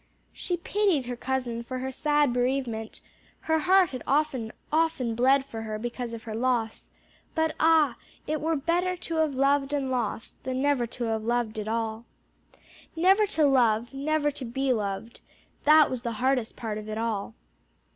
She pitied her cousin for her sad bereavement; her heart had often, often bled for her because of her loss; but ah! it were "better to have loved and lost, than never to have loved at all." Never to love, never to be loved, that was the hardest part of it all.